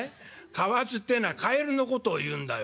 かわずってえのはカエルのことを言うんだよ」。